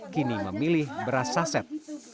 kini memilih beras saset